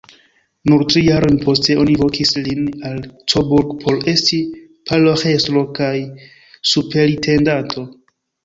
Nur tri jarojn poste oni vokis lin al Coburg por esti paroĥestro kaj superintendanto.